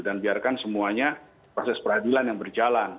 dan biarkan semuanya proses peradilan yang berjalan